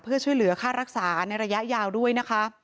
เพื่อช่วยเหลือค่ารักษาในระยะยาวด้วยนะคะ